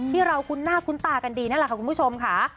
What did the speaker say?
คุ้นหน้าคุ้นตากันดีนั่นแหละค่ะคุณผู้ชมค่ะ